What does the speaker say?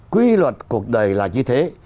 quy luật cuộc đời là như thế